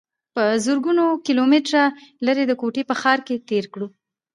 پۀ زرګونو کلومټره لرې د کوټې پۀ ښار کښې تير کړو